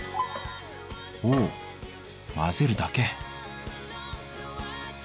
ほお混ぜるだけ！